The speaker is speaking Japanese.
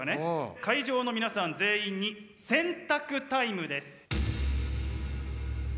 会場の皆さん全員に選択タイムです。